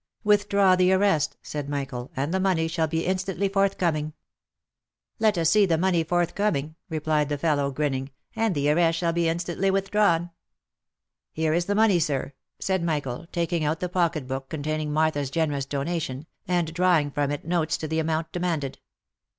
" Withdraw the arrest," said Michael, '« and the money shall be instantly forthcoming." 2 B 370 THE LIFE AND ADVENTURES f< Let us see the money forthcoming," replied the fellow, grinning, " and the arrest shall be instantly withdrawn. "*' Here is the money, sir," said Michael, taking out the pocket book containing Martha's generous donation, and drawing from it notes to the amount demanded.